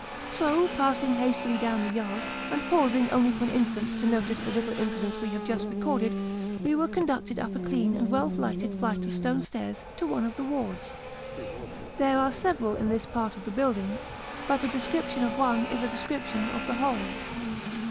So, passing hastily down the yard, and pausing only for an instant to notice the little incidents we have just recorded, we were conducted up a clean and well lighted flight of stone stairs to one of the wards. There are several in this part of the building, but a description of one is a description of the whole.